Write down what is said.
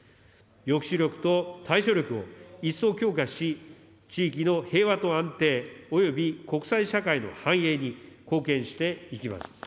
抑止力と対処力を一層強化し、地域の平和と安定および国際社会の繁栄に貢献していきます。